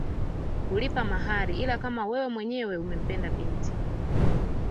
Kulipa mahari ila kama wewe mwenyewe umempenda binti